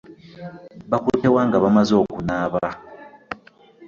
Bakutte wa nga bamaze okunaaba?